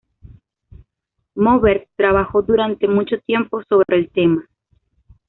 Moberg trabajó durante mucho tiempo sobre el tema.